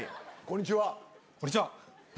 こんにちは。